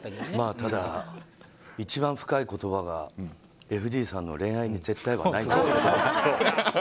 ただ、一番深い言葉がＦＤさんの恋愛に絶対はない。